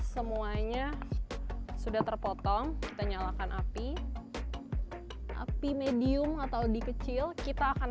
semuanya sudah terpotong kita nyalakan api api medium atau dikecil kita akan